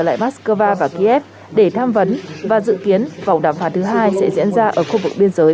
lại moscow và kiev để tham vấn và dự kiến vòng đàm phán thứ hai sẽ diễn ra ở khu vực biên giới